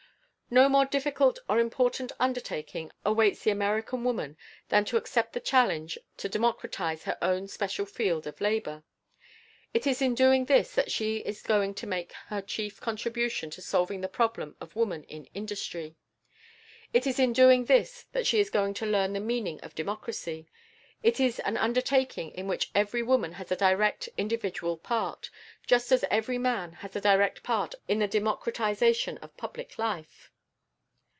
No more difficult or important undertaking awaits the American woman than to accept the challenge to democratize her own special field of labor. It is in doing this that she is going to make her chief contribution to solving the problem of woman in industry. It is in doing this that she is going to learn the meaning of democracy. It is an undertaking in which every woman has a direct individual part just as every man has a direct part in the democratization of public life.